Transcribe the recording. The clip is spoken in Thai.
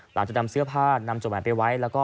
หลังจากนำเสื้อผ้านนำจดหมายไปไว้